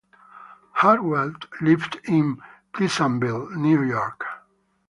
Hartwell lived in Pleasantville, New York.